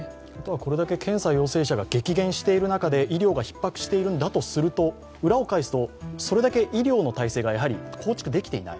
これだけ検査陽性者が激減している中で医療がひっ迫しているんだとすると、裏を返すとそれだけ医療の体制が構築できていない。